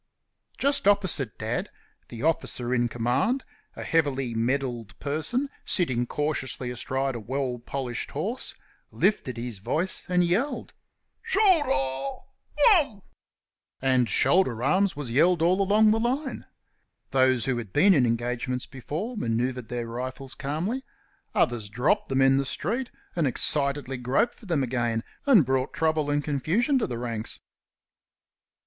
Just opposite Dad the officer in command a heavily medalled person sitting cautiously astride a well polished horse lifted his voice and yelled: "Shoul dah UM!" And "Shoulder arms!" was yelled all along the line. Those who had been in engagements before manoeuvred their rifles calmly others dropped them in the street and excitedly groped for them again, and brought trouble and confusion to the ranks.